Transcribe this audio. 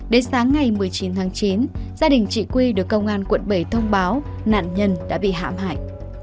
đến sáng ngày một mươi chín tháng chín gia đình chị quy được công an quận bảy thông báo nạn nhân đã bị hạ hại